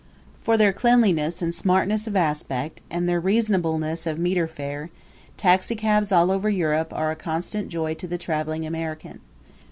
For their cleanliness and smartness of aspect, and their reasonableness of meter fare, taxicabs all over Europe are a constant joy to the traveling American.